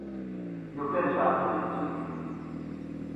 Nugad leɛtab n ddunit.